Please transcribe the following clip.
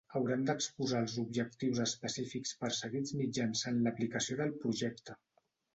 Hauran d'exposar els objectius específics perseguits mitjançant l'aplicació del projecte.